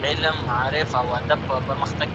د احمد شاه ابدالي مور د کومې قبیلې څخه وه؟